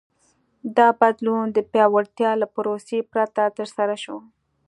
دا بدلون د پیاوړتیا له پروسې پرته ترسره شو.